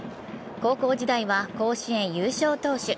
高校時代は甲子園優勝投手。